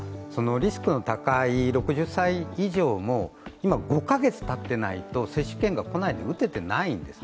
実は、リスクの高い６０歳以上も今、５カ月たたないと接種券が来ないので打ててないんです。